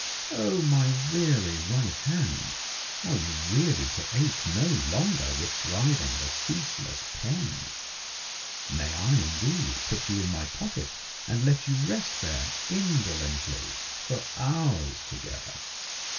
Oh, my weary right hand, are you really to ache no longer with driving the ceaseless pen? May I, indeed, put you in my pocket and let you rest there, indolently, for hours together?